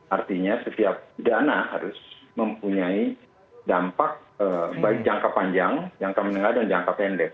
artinya setiap dana harus mempunyai dampak baik jangka panjang jangka menengah dan jangka pendek